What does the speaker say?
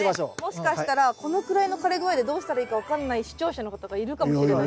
もしかしたらこのくらいの枯れ具合でどうしたらいいか分かんない視聴者の方がいるかもしれない。